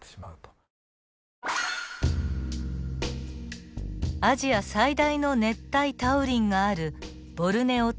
アジア最大の熱帯多雨林があるボルネオ島です。